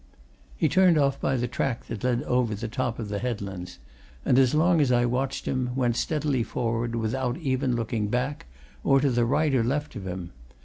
He turned off by the track that led over the top of the headlands, and as long as I watched him went steadily forward without even looking back, or to the right or left of him.